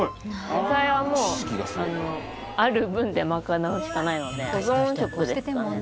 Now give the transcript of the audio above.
野菜はもうある分で賄うしかないので保存食ですかね。